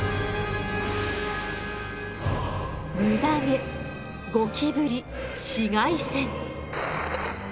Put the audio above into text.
ムダ毛ゴキブリ紫外線。